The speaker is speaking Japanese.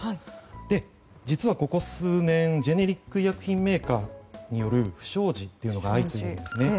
実は、ここ数年ジェネリック医薬品メーカーによる不祥事が相次いでいるんです。